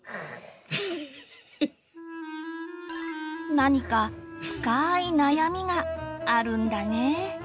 何か深ーい悩みがあるんだね。